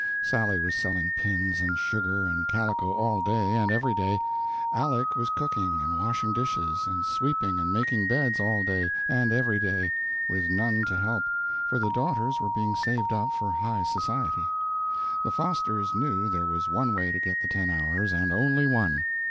Sally was selling pins and sugar and calico all day and every day; Aleck was cooking and washing dishes and sweeping and making beds all day and every day, with none to help, for the daughters were being saved up for high society. The Fosters knew there was one way to get the ten hours, and only one.